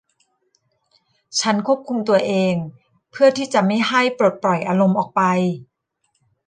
ฉันควบคุมตัวเองเพื่อที่จะไม่ให้ปลดปล่อยอารมณ์ออกไป